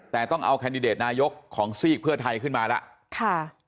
แต่ต้องเอาแคนดิเดตนายกของซีกเพื่อไทยขึ้นมาแล้ว